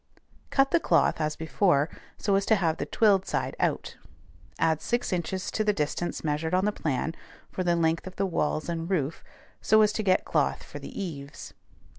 Cut the cloth, as before, so as to have the twilled side out. Add six inches to the distance measured on the plan, for the length of the walls and roof, so as to get cloth for the eaves.